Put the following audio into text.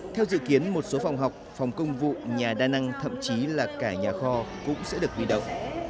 theo dự kiến một số phòng học phòng công vụ nhà đa năng thậm chí là cả nhà kho cũng sẽ được huy động